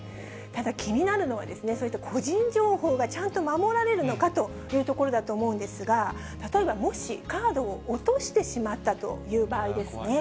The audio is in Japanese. ただ気になるのは、そういった個人情報がちゃんと守られるのかというところだと思うんですが、例えばもし、カードを落としてしまったという場合ですね。